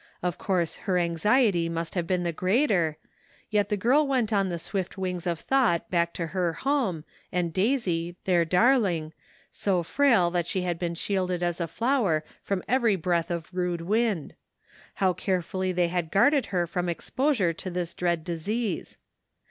Of course her anxiety must have been the greater, yet the girl went on the swift wings of thought back to her home, and Daisy, their darling, so frail that she had been shielded as a flower from every breath of 1"40 A TliVI\(; I'OSITION. rude wind ; how carefully they had guarded her from exposure to this dread disease!